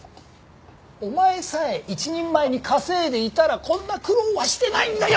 お前さえ一人前に稼いでいたらこんな苦労はしてないんだよ！